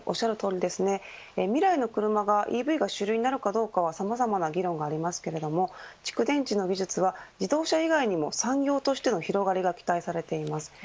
未来の車がＥＶが主流になるかどうかはさまざまな議論がありますが蓄電池の技術は自動車以外にも産業としての広がりが期待されています。